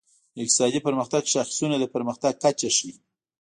د اقتصادي پرمختګ شاخصونه د پرمختګ کچه ښيي.